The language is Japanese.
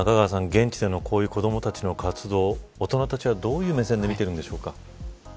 現地でのこういう子どもたちの活動大人たちはどういう目線で見ているんでしょうか。